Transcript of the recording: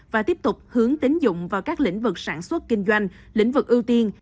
và tiếp tục hướng tín dụng vào các lĩnh vực sản xuất kinh doanh lĩnh vực ưu tiên